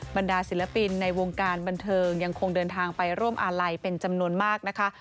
บรรดาศิลปินในวงการบันเทิงยังคงเดินทางไปร่วมอาลัยเป็นจำนวนมากนะคะ